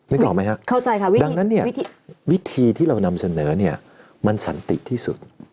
ออกไหมครับเข้าใจค่ะดังนั้นเนี่ยวิธีที่เรานำเสนอเนี่ยมันสันติที่สุด